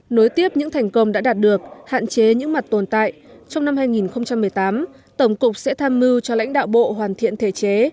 nối tiếp những thành công đã đạt được hạn chế những mặt tồn tại trong năm hai nghìn một mươi tám tổng cục sẽ tham mưu cho lãnh đạo bộ hoàn thiện thể chế